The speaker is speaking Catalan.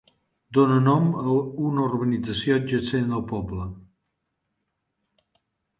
Dóna nom a una urbanització adjacent al poble.